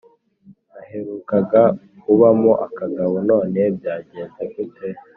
naherukaga ubamo akagabo, none byagenze gute